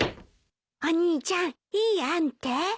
お兄ちゃんいい案って？